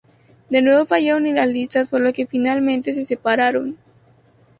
De nuevo fallaron en las listas, por lo que finalmente se separaron.